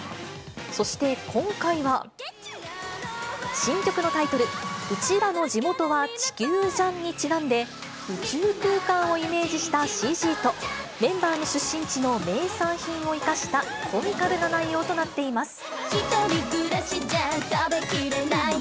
そして、今回は、新曲のタイトル、ウチらの地元は地球じゃん！にちなんで、宇宙空間をイメージしたＣＧと、メンバーの出身地の名産品を生かしたコミカルな内容となっています。